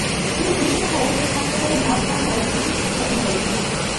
তিনি পুলিশি পাহারায় ওই হাসপাতালের নাক কান গলা বিভাগে চিকিৎসাধীন রয়েছেন।